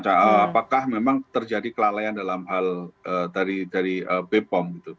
apakah memang terjadi kelalaian dalam hal dari bepom